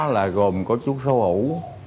là gồm có chú sâu hữu